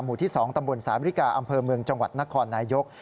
ที่๒ตำบลสามริกาอำเภอเมืองจังหวัดนครนายก